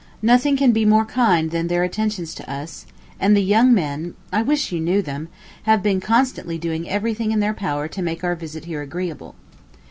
Nothing can be more kind than their attentions to us; and the young men I wish you knew them have been constantly doing every thing in their power to make our visit here agreeable.